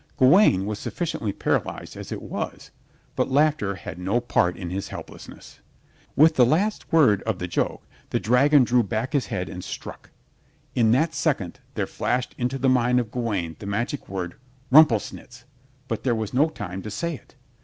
Gawaine was sufficiently paralyzed as it was, but laughter had no part in his helplessness. With the last word of the joke the dragon drew back his head and struck. In that second there flashed into the mind of Gawaine the magic word "Rumplesnitz," but there was no time to say it.